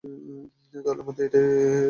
দলের মধ্যে এটাই তো করে।